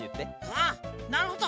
ああなるほど。